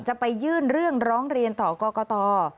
จะไปยื่นเรื่องร้องเรียนต่อกรกต